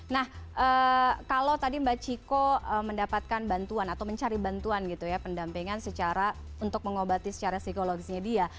nah kalau tadi mbak chiko mendapatkan bantuan atau mencari bantuan gitu ya pendampingan secara untuk mengobati secara psikologisnya dia